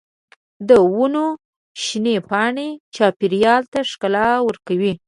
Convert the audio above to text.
د ونو شنې پاڼې چاپېریال ته ښکلا ورکوي.